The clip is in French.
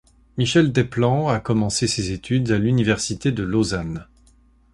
Michel Despland a commencé ses études à l'université de Lausanne.